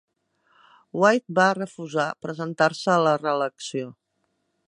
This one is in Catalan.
White va refusar presentar-se a la reelecció.